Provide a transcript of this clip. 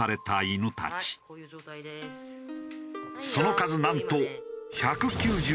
その数なんと１９９匹。